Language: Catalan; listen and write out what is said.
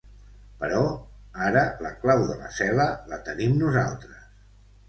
Però ara la clau de la cel•la la tenim nosaltres.